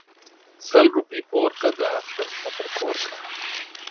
ـ سل روپۍ پوره كه داختر شپه په كور كه.